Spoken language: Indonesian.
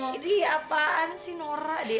ini apaan sih nora deh